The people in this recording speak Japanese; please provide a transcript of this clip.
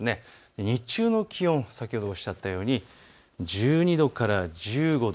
日中の気温先ほどおっしゃったように１２度から１５度。